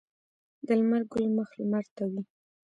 د لمر ګل مخ لمر ته وي